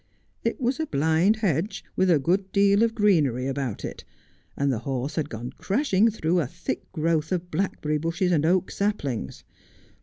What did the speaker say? It was a blind hedge, with a good deal of greenery about it, and the horse had gone crashing through a thick growth of blackberry bushes and oak saplings.